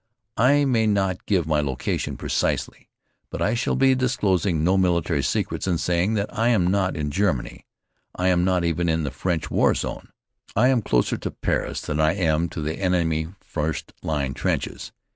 I may not give my location precisely. But I shall be disclosing no military secrets in saying that I am not in Germany. I am not even in the French war zone. I am closer to Paris than I am to the enemy first line trenches.